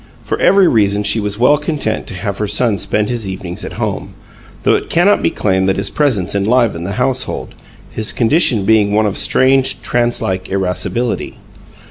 For every reason she was well content to have her son spend his evenings at home, though it cannot be claimed that his presence enlivened the household, his condition being one of strange, trancelike irascibility.